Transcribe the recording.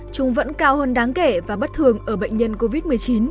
chúng vẫn cao hơn đáng kể và bất thường ở bệnh nhân covid một mươi chín